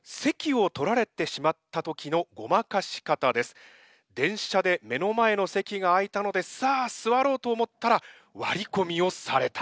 今回の競技は電車で目の前の席が空いたのでさあ座ろうと思ったら割り込みをされた。